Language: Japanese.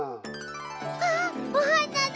あっおはなだ！